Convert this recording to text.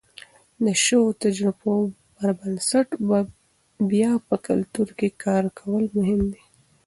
د شویو تجربو پر بنسټ بیا په کلتور کې کار کول مهم دي.